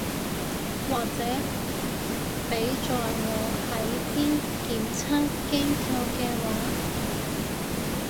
或者畀在我係啲檢測機構嘅話